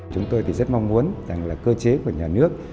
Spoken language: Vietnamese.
chúng tôi thì rất mong muốn rằng là cơ chế của nhà nước